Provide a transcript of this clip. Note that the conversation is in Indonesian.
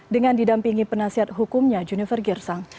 dengan didampingi penasihat hukumnya junifer girsang